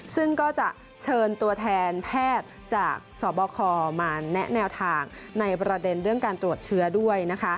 ซึ่งก็จะเชิญตัวแทนแพทย์จากสบคมาแนะแนวทางในประเด็นเรื่องการตรวจเชื้อด้วยนะคะ